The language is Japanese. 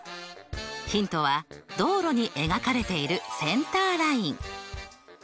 ヒントは道路に描かれているセンターライン。